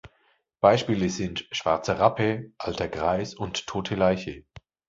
Beispiele sind „schwarzer Rappe“, „alter Greis“ und „tote Leiche“.